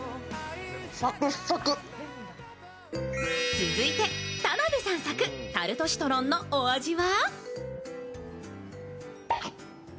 続いて田辺さん作、タルトシトロンのお味は？